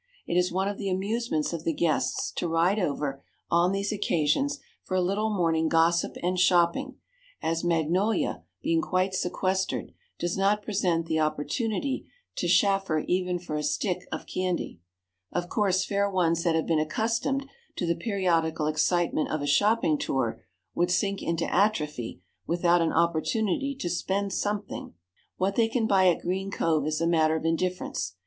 It is one of the amusements of the guests to ride over, on these occasions, for a little morning gossip and shopping, as Magnolia, being quite sequestered, does not present the opportunity to chaffer even for a stick of candy. Of course, fair ones that have been accustomed to the periodical excitement of a shopping tour would sink into atrophy without an opportunity to spend something. What they can buy at Green Cove is a matter of indifference.